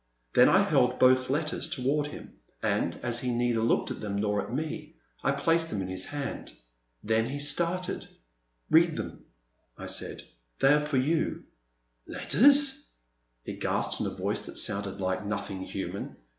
Then I held both letters toward him, and, as he neither looked at them nor at me, I placed them in his hand. Then he started. Read them," I said, they are for you." *' letters !" he gasped in a voice that sounded like nothing human.